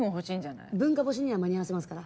文化干しには間に合わせますから。